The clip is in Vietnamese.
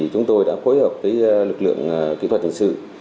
chúng tôi đã phối hợp với lực lượng kỹ thuật thành sự